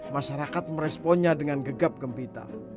masyarakat meresponnya dengan gegap gempita